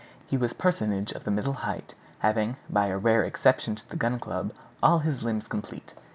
He was personage of the middle height, having, by a rare exception in the Gun Club, all his limbs complete.